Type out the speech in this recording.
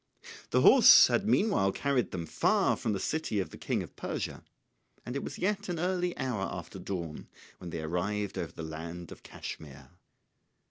The horse had meanwhile carried them far from the city of the King of Persia, and it was yet an early hour after dawn when they arrived over the land of Cashmire.